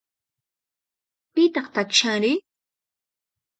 Pitaq takishanri?